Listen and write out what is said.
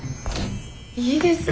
いいですね。